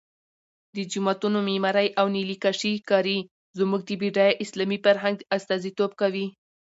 د جوماتونو معمارۍ او نیلي کاشي کاري زموږ د بډای اسلامي فرهنګ استازیتوب کوي.